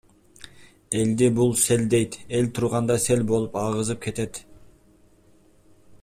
Элди — бул сел дейт, эл турганда сел болуп агызып кетет.